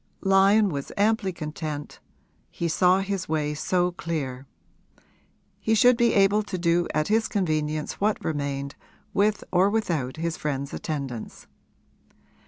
Lyon was amply content he saw his way so clear: he should be able to do at his convenience what remained, with or without his friend's attendance.